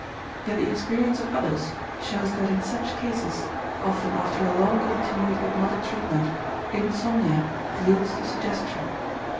Yet the experience of others shows that in such cases, often after a long continued hypnotic treatment insomnia yields to suggestion.